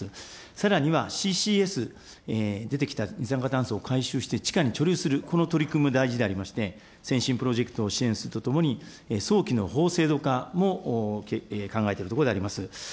さらにはＣＣＳ、出てきた二酸化炭素を回収して地下に貯留する、この取り組みも大事でありまして、先進プロジェクトを支援するとともに、早期の法制度化も、考えているところであります。